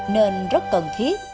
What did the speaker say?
nên rất cần thiết